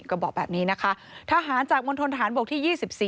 ก็บอกแบบนี้นะคะทหารจากมณฑนฐานบกที่๒๔